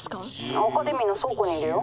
「アカデミーの倉庫にいるよ」。